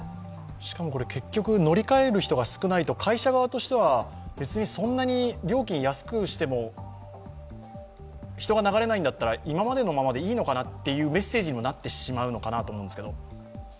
しかもこれ、結局乗り換える人が少ないと、会社側としては、別に料金を安くしても人が流れないのであったら今までのままでもいいのかなというようなメッセージにもなってしまうのかなと思うんですけど？